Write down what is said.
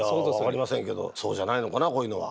分かりませんけどそうじゃないのかなこういうのは。